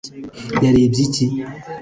yarebye iki